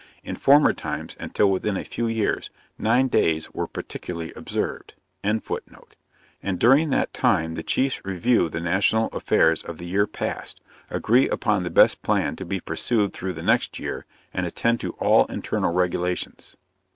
In former times, and till within a few years, nine days were particularly observed.] and during that time the Chiefs review the national affairs of the year past; agree upon the best plan to be pursued through the next year, and attend to all internal regulations.